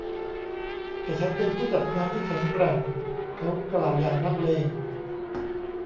แต่ฉันเป็นผู้จัดงานที่แข็งแกร่ง เขากล่าวอย่างนักเลง